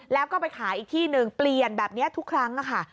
แล้วก็ไปขายอีกที่หนึ่งเปลี่ยนแบบนี้ทุกครั้งค่ะ